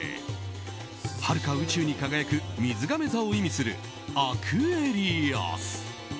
はるか宇宙に輝く水瓶座を意味するアクエリアス。